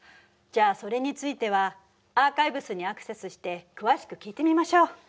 じゃあそれについてはアーカイブスにアクセスして詳しく聞いてみましょう。